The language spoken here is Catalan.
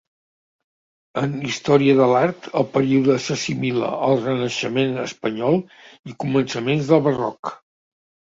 En història de l'art, el període s'assimila al renaixement espanyol i començaments del barroc.